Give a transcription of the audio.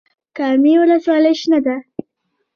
کامې ولسوالۍ شنه ده؟